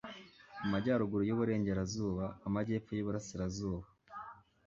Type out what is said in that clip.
amajyaruguru y'uburengerazuba, amajyepfo y'uburasirazuba